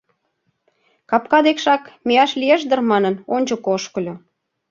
Капка декшак мияш лиеш дыр манын, ончыко ошкыльо.